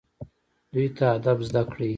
دوی ته ادب زده کړئ